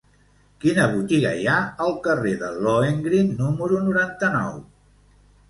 Quina botiga hi ha al carrer de Lohengrin número noranta-nou?